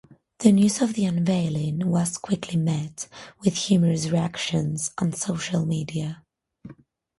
The news of the unveiling was quickly met with humorous reactions on social media.